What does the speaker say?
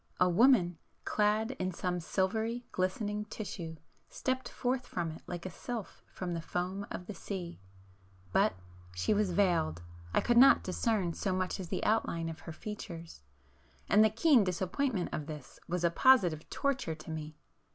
A woman, clad in some silvery glistening tissue, stepped forth from it like a sylph from the foam of the sea, but——she was veiled,—I could not discern so much as the outline of her features,—and the keen disappointment of this was a positive torture to me.